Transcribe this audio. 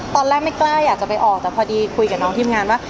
ตอนแรกไม่กล้าอยากจะไปออกแต่พอดีคุยกับน้องทีมงานว่า